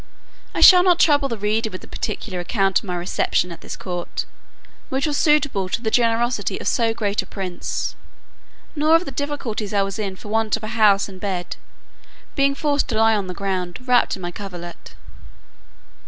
I shall not trouble the reader with the particular account of my reception at this court, which was suitable to the generosity of so great a prince; nor of the difficulties I was in for want of a house and bed, being forced to lie on the ground, wrapped up in my coverlet.